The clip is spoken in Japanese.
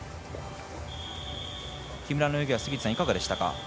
木村の泳ぎはいかがでしたか？